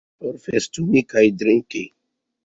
Por festumi kaj drinki?